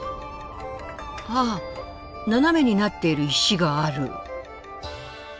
あっ斜めになっている石がある。